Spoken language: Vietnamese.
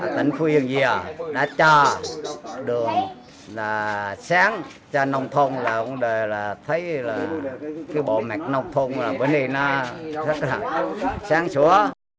tỉnh phú yên dìa đã cho đường là sáng cho nông thông là vấn đề là thấy là cái bộ mạch nông thông là vấn đề nó rất là sáng sủa